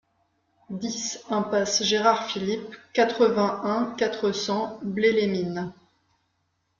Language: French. dix impasse Gérard Philipe, quatre-vingt-un, quatre cents, Blaye-les-Mines